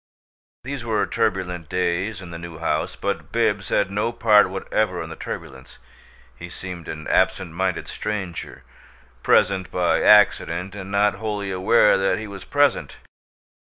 These were turbulent days in the New House, but Bibbs had no part whatever in the turbulence he seemed an absent minded stranger, present by accident and not wholly aware that he was present.